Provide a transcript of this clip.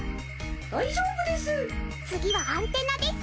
大丈夫です。